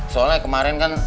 soalnya kemarin kan